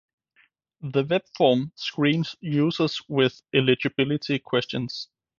The web form screens users with eligibility questions